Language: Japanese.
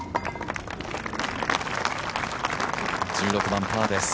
１６番、パーです。